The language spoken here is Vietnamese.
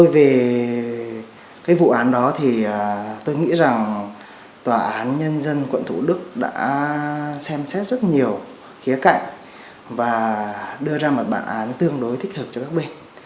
về cái vụ án đó thì tôi nghĩ rằng tòa án nhân dân quận thủ đức đã xem xét rất nhiều khía cạnh và đưa ra một bản án tương đối thích hợp cho các bên